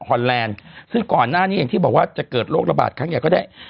อนแลนด์ซึ่งก่อนหน้านี้อย่างที่บอกว่าจะเกิดโรคระบาดครั้งใหญ่ก็ได้